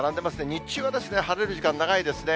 日中は晴れる時間、長いですね。